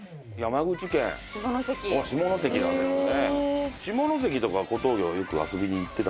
あっ下関なんですね。